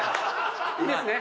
いいですね？